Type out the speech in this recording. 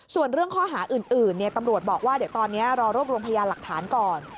ส่วนเรื่องข้อหาอื่นตำรวจบอกว่าเดี๋ยวตอนนี้รอรวบรวมพยานหลักฐานก่อน